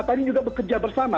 tadi juga bekerja bersama